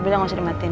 tunggu sebentar ya